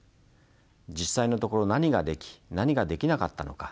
実際のところ何ができ何ができなかったのか。